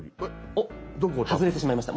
おっ外れてしまいました。